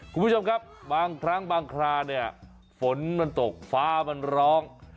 คุณผู้ชมครับบางครั้งบางคราเนี่ยฝนมันตกฟ้ามันร้อง